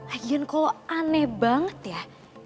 lagian kalo aneh banget ya